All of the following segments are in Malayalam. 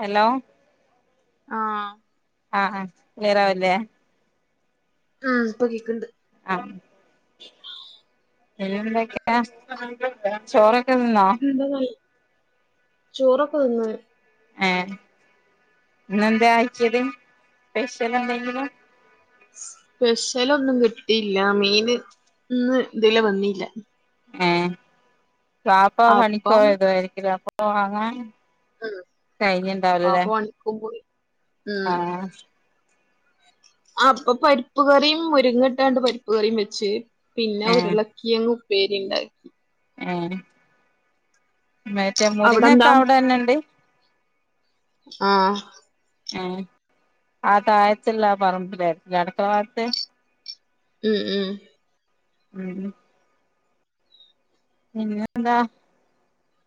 ഹലോ ആഹ് ആഹ് ആ ക്ലിയറാവല്ലേ ആഹ് പ്പ കേക്ക്ണ്ട് പിന്നെന്തൊക്കെയാ ചോറ് എന്ത ചോറൊക്കെ തിന്ന് ഏ ഇന്നെന്താ അയച്ചത് സ്പെഷ്യൽ എന്തെങ്കിലും സ്പെഷ്യല ഒന്നും കിട്ടിയില്ല മീന് ഇന്ന് ഇതിലെ വന്നില്ല ഏ വാപ്പാ അപ്പം പണിക്കോയതവായിരിക്കില്ല അപ്പം വാങ്ങാൻ കഴിഞ്ഞ് ആഹ് ഇണ്ടാവൂലല്ലേ പണിക്കും പോയി ഉം ആഹ് അപ്പൊ പരിപ്പ് കറിയും മുരിങ്ങട്ടാണ്ട് പരിപ്പ് കറിയും വെച്ച് പിന്നെ ഏഹ് ഉരുളക്കിയങ് ഉപ്പേരി ഉണ്ടാക്കി ആഹ് മറ്റേ മുരിങ്ങ ഒക്കെ അവിടെന്താ അവിടെ തന്നെണ്ട് ആഹ് ആ താഴത്ത് ള്ള പറമ്പ് ലേ അട്ക്കള ഭാഗത്ത് ഉം ഉം ഉം ഉം പിന്നെ എന്താ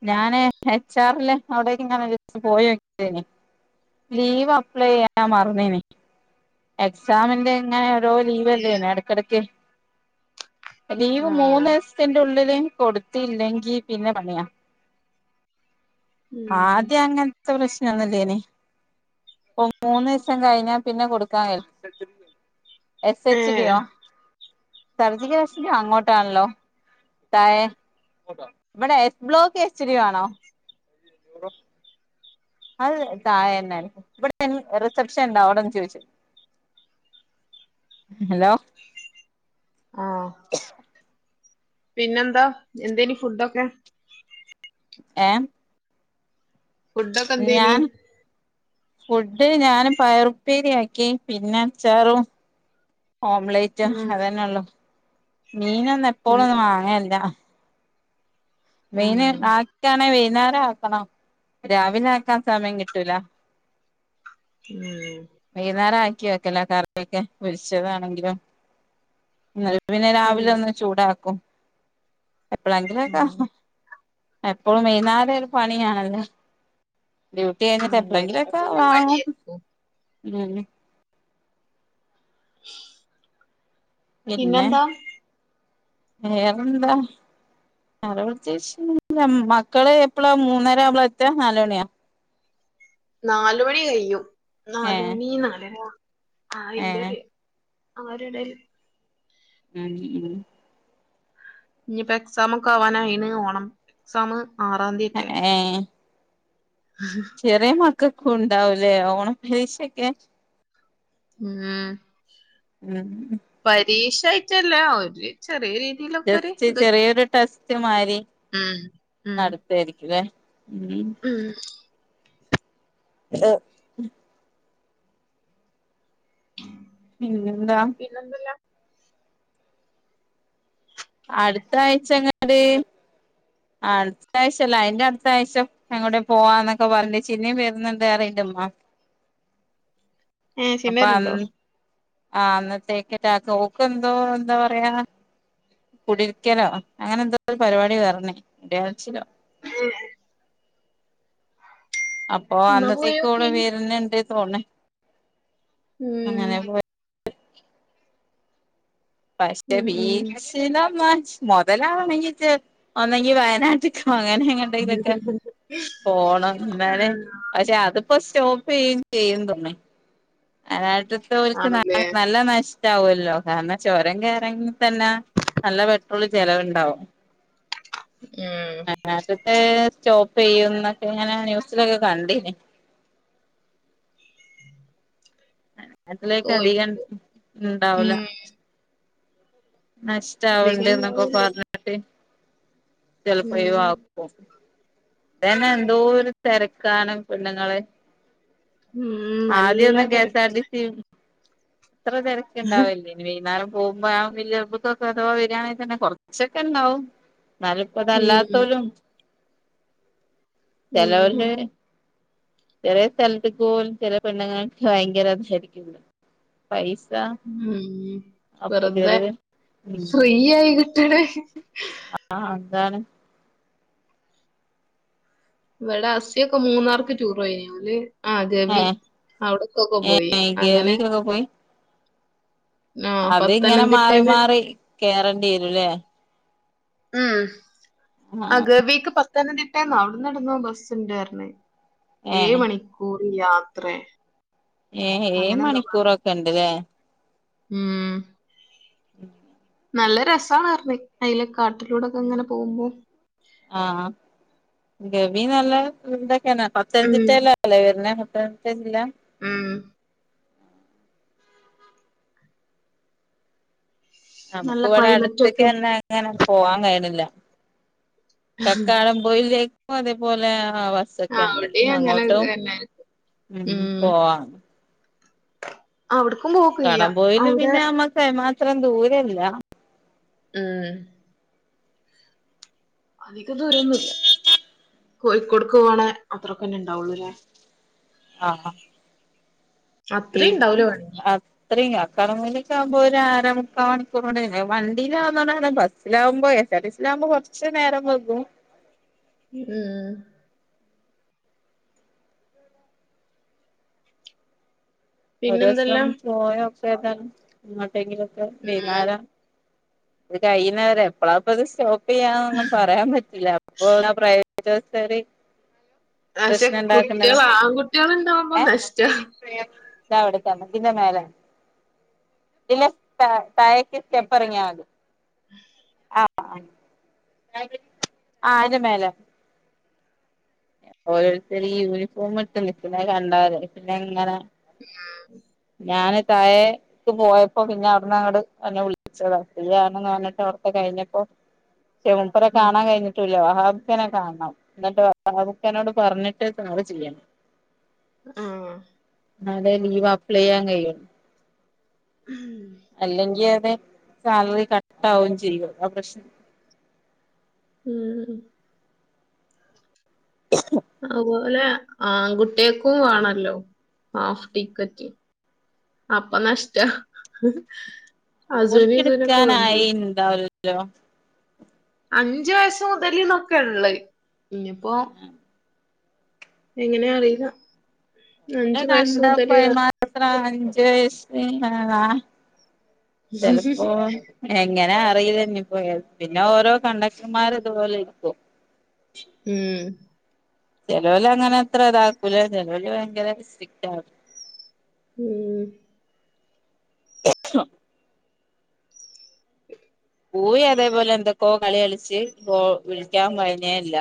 ഞാന് എച്ച് ആറില് അവിടേക്ക് ഇങ്ങനെ [unintelligible] പോയി നോക്കീനി. ലീവ് അപ്ലൈ ചെയ്യാൻ മറന്നേനി എക്സാമിന്റെ ഇങ്ങനെ ലോ ലീവല്ലേന് ഇടക്കിടക്ക് ലീവ് ആഹ് മൂന്നു ദിവസത്തിൻ്റെ ഉള്ളില് കൊടുത്തില്ലെങ്കി പിന്നെ പണിയാ ഉം ആദ്യം അങ്ങനത്തെ പ്രശ്നം ഒന്നും ഇല്ലേനി. ഇപ്പം മൂന്നീസം കഴിഞ്ഞാ പിന്നെ കൊടുക്കാൻ [unintelligible] എസ് എച്ച് ഡിയോ ഏഹ് സർജിക്ക് കാശിന്റെയോ അങ്ങോട്ടാണല്ലോ. തായെ ഇവിടെ എസ് ബ്ലോക്ക് എച്ച് ഡി ആണോ. അത് തായ തന്നെല്ലേ. ഇവിടെ റിസപ്ഷൻ ഉണ്ടാവും. അവിടന്ന് ചോദിച്ചു ഹലോ ആഹ് പിന്നെന്താ എന്തേനി ഫുഡൊക്കെ? ഏഹ് ഫുഡ് ഒക്കെ എന്തേനീ? ഫുഡ് ഞാന് പയറുപ്പേരിയാക്കി പിന്നെ അച്ചാറും. ഓംലേറ്റ് ഉം അതന്നെ ഒള്ളൂ. മീനൊന്നും ഉം എപ്പോളൊന്നും വാങ്ങേല്ല. മീന് ഉം [unintelligible] ന്നേരം ആക്കണം. രാവിലെ ആക്കാൻ സമയം കിട്ടൂല. ഊം വൈകുന്നേരം ആക്കി വെക്കലാ കറിയൊക്കെ. പൊരിച്ചതാണെങ്കിലും. [unintelligible] പിന്നെ ഉം രാവിലെ ഒന്ന് ഉം ചൂടാക്കും എപ്പളെങ്കിലൊക്കെ. ഉം എപ്പളും വൈന്നേരം ഒരു പണിയാണല്ലോ. ഡ്യൂട്ടി കഴിഞ്ഞിട്ട് വൈന്നേരം എപ്പളെങ്കിലൊക്കെ പിന്നെ വാങ്ങും. മടിയായിരിക്കും ഉം പിന്നെ പിന്നെന്താ? വേറെന്താ. വേറെ പ്രത്യേകിച്ച് ന്നൂല്ല. മക്കള് എപ്പളാ മൂന്നരാവുമ്പളാ എത്താ നാലണിയൊ? നാലുമണി കയ്യും. ഏഹ് നാലുമണി നാലര. ആ ഇൻ്റെ ഏഹ് ഒര് ആ ഒര് എടേല്. ആ നീ ഉം. ഇഞ്പ്പോ എക്സാമൊക്കെ ആവാനായിണ്. ഓണം എക്സാമ് എ ഏ ചെറിയ മക്കക്കും ഉണ്ടാവുലേ ഓണപ്പരീക്ഷൊക്കെ. ഉം ന്നാ ഉം രീഷായിട്ടല്ല. ഒരു ചെറിയ രീ ജസ്റ്റ് ചെറിയൊരു ടെസ്റ്റ് മായ്രി ഉം ഉം നടത്തേരിക്കും ലേ. ഉം [unintelligible] പിന്നെ എന്താ. പിന്നെന്തല്ലാ അടുത്ത ആഴ്ച ഇങ്ങട് അടുത്ത ആഴ്ചല്ല അയിന്റെ അടുത്ത ആഴ്ച എങ്ങോട്ടേം പോവാന്നൊക്കെ പറഞ്ഞ് ച്ച് ഇനിം വരുന്നുണ്ട് പറിം ഇൻ്റെമ്മ. ഏഹ് [unintelligible] അപ്പൊ വര്ണ്ടോ? അന്ന് ആ അന്നത്തേക്ക് അറ്റാക്ക് ഓക്ക് ഓക്ക് എന്തോ എന്താ പറയാ. കുടിയിരിക്കലോ അങ്ങനെ എന്തോ ഒരു പരിപാടി പറഞ്ഞ്. മുട്‌യാൾ ച്ചിലോ അപ്പൊ എന്നാ അന്നത്തേക്ക് കൂടെ പോയോക്കേനി വേരന്ന്ണ്ട് തോന്നണേ ഉം [unintelligible] പക്ഷെ ഉം ഉം [unintelligible] മൊതലാണെങ്കി ജ് ഒന്നെങ്കി വയനാട്ട്ക്കോ അങ്ങനെ എങ്ങട്ടേലൊക്കെ പോണം. ഇന്നാലെ പക്ഷെ അതിപ്പോ സ്‌റ്റോ ആണല്ലേ [unintelligible] [unintelligible] കാരണം ചൊരം കയറങ്ങി തന്ന നല്ല പെട്രോള് ചെലവ്ണ്ടാവും ഉം [unintelligible] [unintelligible] സ്റ്റോപ്പ് ചെയ്യുംന്നൊക്കെ ഇങ്ങനെ ന്യൂസിലൊക്കെ കണ്ട്നി അ അതിലേക്ക് അധികം കോഴിക്കോ ഇണ്ടാവൂല ഉം നഷ്ടവണ്ട അധികം എന്നൊക്കെ ഉണ്ടാവൂല്ല. പറഞ്ഞോട്ട് ചിലപ്പൊ ഉം. ഒയിവാക്കും. അതന്നെ എന്തോ ഒരു തിരക്കാണ് പെണ്ണുങ്ങള് ഉം ആദ്യം നല്ല ഒന്നു കെ. എസ്. ആർ. ടി. തിരക്കന്നെ. സി ൽ അത്ര തിരക്ക് ഉണ്ടാവല്ലി വൈകുന്നേരം പോവുമ്പ [unintelligible] അഥവാ വരികയാണെങ്കിൽ തന്നെ കുറച്ചൊക്കെ ഉണ്ടാവും എന്നാലിപ്പ അത് ഉം. അല്ലാത്തൊരും ഉം. ചെലവര് ചെറിയ സ്ഥലത്ത്ക്ക് പോലും ചെറിയ പെണ്ണുങ്ങൾക്കെ [unintelligible] പൈസ് ഉം വെറുതെ ഉം ഫ്രീയായി കിട്ടണ്. [unintelligible] എന്താണ്? ഇവിടെ അസിയൊക്കെ മൂന്നാർക്ക് ടൂറ് പോയി [unintelligible] ആ ഏ ഗവി അവിടെക്കൊക്കെ പോയി ഏ അങ്ങനെ ഗവിക്കൊക്കെ പോയി ആ അത് ഇങ്ങനെ മാറി പത്തനംതിട്ടേന്ന് മാറി കേറെണ്ടി വരുംല്ലേ ഉം ആ ഗവീക്ക് പ ത്തന്നതിട്ടേന്ന അവിടുന്ന് എവിടെന്നോ ബസ് ഉണ്ട് പറഞ്ഞു ഏ ഏയ് മണിക്കൂർ യാത്രേ ഏ ഏയ് മണിക്കൂറൊക്കെ ഉണ്ട്ല്ലേ മ്ഹ് ഉം നല്ല രസമാണ് പറഞ്ഞു അയിലെ കാട്ടിലൂടൊക്കെ ഇങ്ങനെ പോകുമ്പോ ആഹ് ഗവി നല്ല ഇതൊക്കെയാണ് പത്തനംതിട്ടേല്ലല്ലേ വരുന്നെ [unintelligible] മ് നമ്മുക്ക് നല്ല ഇവിടെ ക്ലൈമറ്റും ഒക്കെ അടുത്തക്കന്നെ അങ്ങനെ പോവാൻ കഴിയണില്ല തക്കാളം [unintelligible] അതേപോലെ ആ ബസ്സൊക്കെ ഉണ്ടേ അവിടെയും അങ്ങനൊക്കെ അങ്ങോട്ടും തന്നെ ഉം പോവാ അവിടു കടം പോയില് പിന്നെ അമ്മക്ക് അത്രം ദൂരല്ല ഉം അധിക ദൂരോന്നുല്ലാ കോഴിക്കോടുക്ക് പോവാണ അത്രൊക്കന്നെ ഇണ്ടാവുള്ളു ല്ലേ ആഹ് ഹ അത്രേ ഉണ്ടാവൂല [unintelligible] വേണെങ്കി [unintelligible] ആകുമ്പോ ഒരു ആര, മുക്കാ മണിക്കൂർ കൊണ്ട് വണ്ടിയിലാവുന്നതൊണ്ട് ബസ്സിലാവുമ്പഴേ [unintelligible] കുറച്ച് നേരക്കേ [unintelligible] മ് ഒരുസം പിന്നെന്തെല്ലാം പോയ ഒക്കെ ഏതാണ് ഇങ്ങോട്ടെങ്കിലൊക്കെ ഉം വൈന്നേരം ഇത് കഴിുന്നവരെ എപ്പളാപ്പ ഇത് സ്റ്റോപ്പ് ചെയ്യാന്നൊന്നും പറയാൻ പറ്റില്ല അപ്പൊ [unintelligible] പക്ഷെ പ്രശ്നം ഇണ്ടാക്കണ്ട കുട്ടികൾ ആൺകുട്ടികൾ ഉണ്ടാവുമ്പോ നഷ്ടാ ഇാവിടെത്തെന്ന പിന്നെമേലെ ഇല്ല താഴേക്ക് സ്റ്റെപ്പ് ഇറങ്ങിയാ മതി. [unintelligible] ആ അതിന്റെ മേലെ ഓരോരുത്തർ യൂണിഫോം ഇട്ട് നിക്കണേ കണ്ടാൽ പിന്നെ ഇങ്ങനെ ഉം ഞാന് താഴേക്ക് പോയപ്പോ പിന്നെ അവിടന്ന് അങ്ങട് എന്നെ വിളിച്ചതാണെന്ന്. [unintelligible] അവിടത്തെ കഴിഞ്ഞപ്പോ [unintelligible] ചെു ആഹ് കാണാൻ കഴിഞ്ഞിട്ടൂില്ല വഹാബ്ിക്കനെ കാണണം എന്നിട്ട് പാവത്താനോട് പറഞ്ഞിട്ട് നാള് ചെയ്യണം ആഹ എന്നാലെ ലീവ് അപ്ലൈ ചെയ്യാൻ കഴിയു. അല്ലെങ്കി അതെ സാലറികട്ട് ആാവയും ചെയും ആ പ്രശാന ഉം ഉ അതുപോലെ ആൺകുട്ടികക്കും വേണല്ലോ ഹാഫ് ടിക്കറ്റ് അപ്പൊ നഷ്ടം ഓൽക്കെടുക്കാനായി ഇണ്ടാവല്ലോ അഞ്ചു വയസ് മുതല്ന്നൊക്കെയ ഉള്ളുഇനിയിപ്പോൊ എങ്ങനെയ അറിയില്ല ഓലെ അഞ്ചു വയസ്സ് കണ്ട മുതല് പോയി മാത്രം അഞ്ചു വയസ് ചിലപ്പോ എങ്ങനാ തന്നെ പോയ പിന്നെ ഓരോ കണ്ടക്ടർമാർ ഇതുപോലെ ഇരിക്കും ഉം ചില വര് അങ്ങനെ അത്ര ഇത് ആകുല ചിലവര് ഭയങ്കര സ്ട്രിക്റ്റ് ആും ഉം ആഹ കളികളിച്ച് വിളിക്കാൻ കഴിഞ്ഞേ ഇല്ല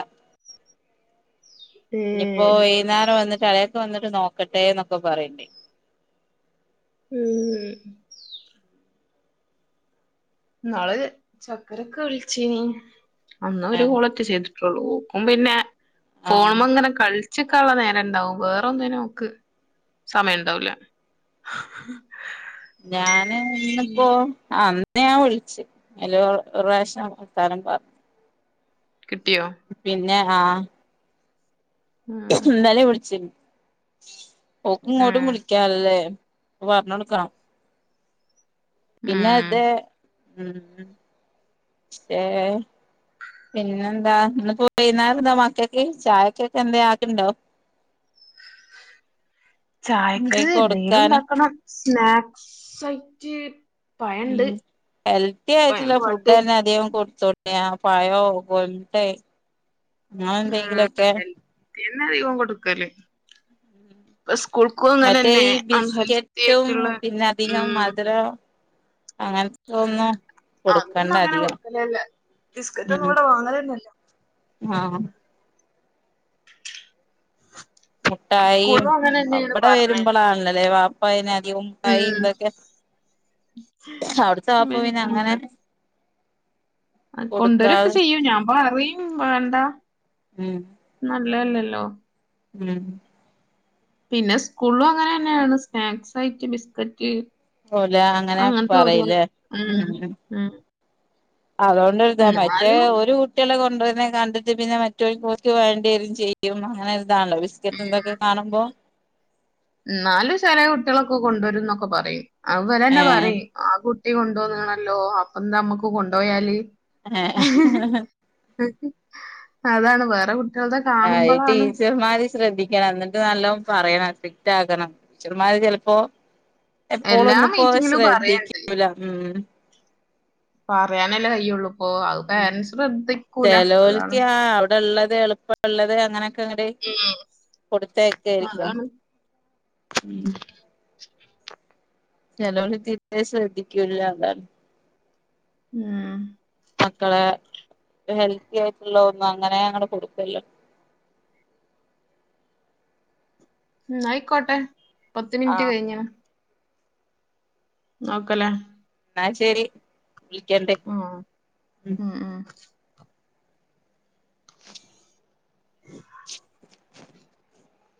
ഏ ഇനിപ്പോ വൈകുന്നേരം വന്നിട്ട് [inaudible] വന്നിട്ട് നോക്കട്ടെ എന്നൊക്കെ പറയണ്ടേ ഉം ഉ നാള്െ ചക്കരൊക്കെ വിളിച്ചേനി അന്ന് ഏ ഒരു കോളൊക്കെചെയ്തിട്ടത്. ക്കും പിന്നെ ആ ഫോണ് അങ്ങനെ കള ചിക്കാൻ നേരം ഉണ്ടാവും വേറൊന്നും നോക്ക് സമയം ഉണ്ടാവൂല ഞാന് ഇന്നപ്പോ ആ പിന്നെ ഞാൻ വിളിച്ചു ഒരു പ്രവിശ്യമ്മ് വർത്താനം പറഞ്ഞു കിട്ടിയോ പിന്നെ ആഹ ഉം ഇന്നലെ വിളിച്ചു ഓക്കും ഇങ്ങോട്ടും ഉം വിളിച്ചാരുന നല്ലെ ഓ പറഞ്ഞോടുക്കണമ് [inaudible] പിന്നെ ഉം ഇത ഉ ആയ് പിന്നെന്താ ഇ പോയിരുന്നോ മക്കൊക്കെ ചായക്കൊക്കെ എന്താ ആക്കുണ്ടോ [unintelligible] എന്തേ ചായക്ക് എന്തെങ്കിലും കൊടുക്കാന് ഉണ്ടാക്കണം സ്നാക്സ് ആയിട്ട് പഴണ്ട് ഉം ഹെൽത്തി പഴം ആയിട്ടില്ല ഫുഡ് പോവട്ടെ തന്നെ അധികം കൊ തുണിയ പഴോ കോഴിമോട്ടായോ അങ്ങനെ എന്തെങ്കിലൊക്കെ എന്നെ അധികം കൊടുക്കല്ലേ സ്കൂൾക്കക്കു, അങ്ങനെ മറ്റേ തന്നെ ഈ അൺഹെൽത്തി ബിസ്ക്കറ്റും ആയിട്ടുള്ള പിന്നെ ഉം അങ്ങനെ തോന്നുന്നു അതൊന്നും അങ്ങനെ കൊടുക്കലല്ല ബിസ്കറ്റ് ഒന്നും ഇവിടെ വാങ്ങലില്ലല്ലോല്ലോ ആഹ [unintelligible] മുട്ടായി സ്കൂളും അങ്ങനെ തന്നെയാണ് അവിടെ പറഞ്ഞേ വരുമ്പോളാണല്ലല്ലേ വാപ്പ കൈ ഉം ഇതൊക്കെ അവിടത്തൊപ്പ പിന്നെ അങ്ങനെ കൊണ്ടുവരുംൊക്കെ കൊടുക്കാതെ ചെയ്യും ഞാൻ പറയും വേണ്ടാ ഉം.. അല്ലാല്ലല്ലോ. ഉം.. പിന്നെ സ്കൂളിലും അങ്ങനെ തന്നെയാണ് സ്നാക്സ് ആയിട്ട് ബിസ്കറ്റ് ഓല അങ്ങനെ അങ്ങനത്തെ [unintelligible] പറയില്ലേ ഉം.. ഉം.. അതുകൊണ്ടൊരിതാ മറ്റേ എന്നാലും ഒരു കുട്ടികളെ ണ്ടൊരുന്നെ കണ്ടിട്ട് പിന്നെ മറ്റവര്ക്ക് ക് വേണ്ടിവരും ചെയ്യും അങ്ങനെ ഇതാണല്ലോ ബിസ്ക്കറ്റ് എന്തൊക്കെ കാണുമ്പോ... ന്നാലും ചെല കുട്ടികളൊക്കെ കൊണ്ടുവരും ന്നൊക്കെ പറയും. അതിവരന്നെ ഏഹ് പറയും ആകു കുട്ടി കൊണ്ടന്നാണല്ലോ... അപ്പെന്താ മ്മക്ക് കൊണ്ടോയാല്..? ങേഹ്... ഹ്ഹ്... അതാണ് വേറെ കുട് അയ് ടീച്ചർമാര് ശ്രദ്ധിക്കണം... എന്നിട്ട് നല്ലോ പറയണം ക്റ്റാക്കണം. ടീച്ചർമാര് ചിലപ്പോ... എല്ലാ എപ്പോളൊന്നുപ്പോ മീറ്റിങ്ങിലും പറയണ്ട് ശ്രദ്ധിക്കൂല. ഉം... പറയാനല്ലേ കയിയുള്ളൂ ഇപ്പൊ... അത് ഉം പാരന്റ്സ് ശ്രദ്ധിക്ക്കൂല... അതാണ്. ഉള്ളത്.. എളുപ്പ.. ള്ളത് അങ്ങന.. ങ്ങട്.. ഉം കൊടുത്തയക്കയിരിക്കും. അതാണ് ചേലോല് തീരെ ശ്രദ്ധിക്കൂല്ല അതാണ്. ഉം മക്കളേ... ഹെൽത്തി ആയിട്ടുള്ള ഒന്നും അങ്ങനെ അങ്ങട് കൊടുക്കല്ലോ [inaudible] ഉം.. ആയിക്കോട്ടെ. പത്ത് മിനിറ്റ് ആഹ് കഴിഞ്ഞ...? നോക്കല്ലേ... എന്നാ.. ശരി. വിളിക്കണ്ട് ഉം.. ഉം.. ഉം.. [unintelligible]